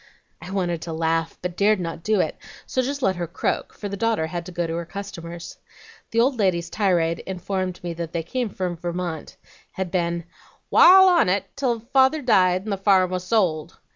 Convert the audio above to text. I wanted to laugh, but dared not do it, so just let her croak, for the daughter had to go to her customers. The old lady's tirade informed me that they came from Vermont, had 'been wal on 't till father died and the farm was sold.'